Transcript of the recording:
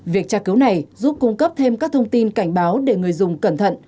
việc tra cứu này giúp cung cấp thêm các thông tin cảnh báo để người dùng cẩn thận